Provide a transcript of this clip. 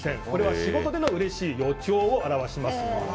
これは仕事でのうれしい予兆を表します。